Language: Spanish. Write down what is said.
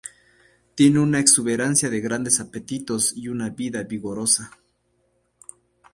Tiene una exuberancia de grandes apetitos y una vida vigorosa.